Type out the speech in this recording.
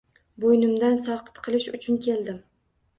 Bo‘ynimdan soqit qilish uchun keldim.